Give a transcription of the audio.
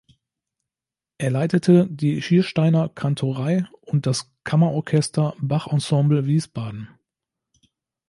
Er leitete die Schiersteiner Kantorei und das Kammerorchester "Bach-Ensemble Wiesbaden".